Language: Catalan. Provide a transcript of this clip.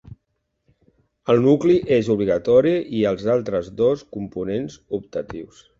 El nucli és obligatori i els altres dos components, optatius.